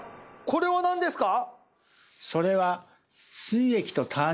これは何ですか？